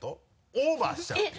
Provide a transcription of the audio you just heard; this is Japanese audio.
オーバーしちゃう？